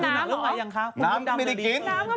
น้ำก็ไม่ได้กินน้ำก็ไม่ได้กินอีก